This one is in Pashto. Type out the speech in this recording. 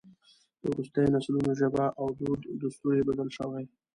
د وروستیو نسلونو ژبه او دود دستور یې بدل شوی.